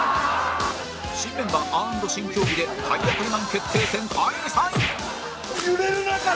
新メンバー＆新競技で体当たりマン決定戦開催！